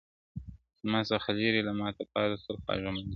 زما څه ليري له ما پاته سول خواږه ملګري,